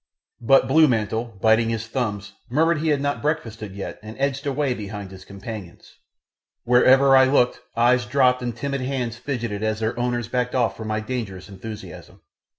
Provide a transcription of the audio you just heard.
But blue mantle, biting his thumbs, murmured he had not breakfasted yet and edged away behind his companions. Wherever I looked eyes dropped and timid hands fidgeted as their owners backed off from my dangerous enthusiasm.